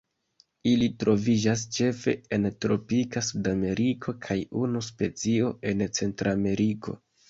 Ili troviĝas ĉefe en tropika Sudameriko, kaj unu specio en Centrameriko.